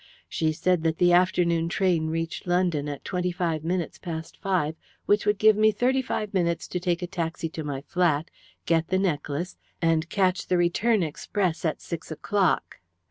She said that the afternoon train reached London at twenty five minutes past five, which would give me thirty five minutes to take a taxi to my flat, get the necklace, and catch the return express at six o'clock.